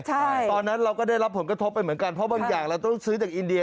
ใช่ตอนนั้นเราก็ได้รับผลกระทบไปเหมือนกันเพราะบางอย่างเราต้องซื้อจากอินเดีย